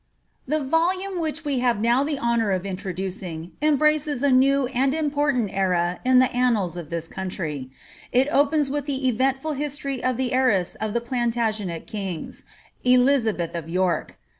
The Tolnme which we have now the honour of introducing, embracef t new and important era in the annals of this country. It opens with the e? entful history of the heiress of the Plantagenet kings, Elizabeth of York.